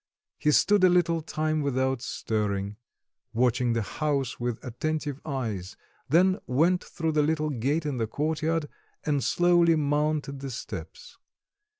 He stood a little time without stirring, watching the house with attentive eyes; then went through the little gate in the courtyard, and slowly mounted the steps.